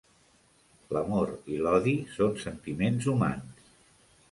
L'amor i l'odi són sentiments humans.